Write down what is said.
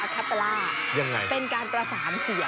เชื่อสายรับแผนนี้